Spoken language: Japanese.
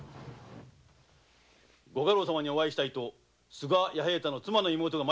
ご家老様に会いたいと須賀弥平太の妻の妹が。